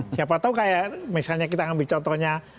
siapa tahu kayak misalnya kita ambil contohnya